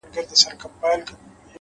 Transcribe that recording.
پوهه د نسلونو ترمنځ پل جوړوي’